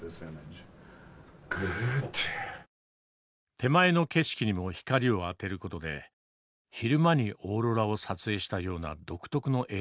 手前の景色にも光を当てる事で昼間にオーロラを撮影したような独特の映像になっている。